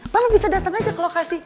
bapak bisa datang aja ke lokasi